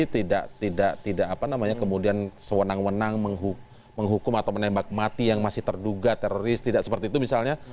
tidak tidak apa namanya kemudian sewenang wenang menghukum atau menembak mati yang masih terduga teroris tidak seperti itu misalnya